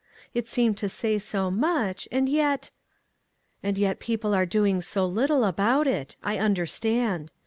It seemed to say so much, and yet "— "And yet people are doing so little about it. I understand.